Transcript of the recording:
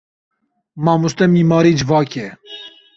Mamoste mîmarê civakê ye.